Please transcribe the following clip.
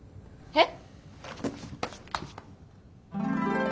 えっ？